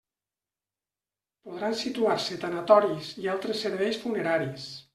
Podran situar-se tanatoris i altres serveis funeraris.